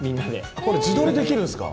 あっこれ自撮りできるんすか。